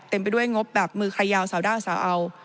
เต็มไปด้วยงบแบบมือไครยาวสาวด้าสาอาว